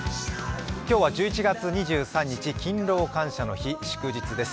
今日は１１月２３日、勤労感謝の日祝日です。